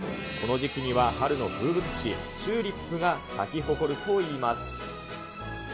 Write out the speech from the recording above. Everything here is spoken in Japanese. この時期には春の風物詩、チューリップが咲き誇るといいます。